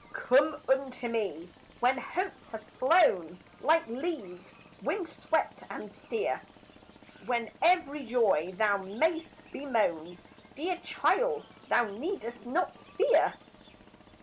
"Come unto me when hopes have flown Like leaves wind swept and sere, When every joy thou may'st bemoan; Dear child, thou need'st not fear.